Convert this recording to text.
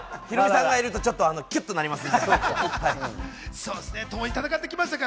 ヒロミさんがいるとキュッとなります。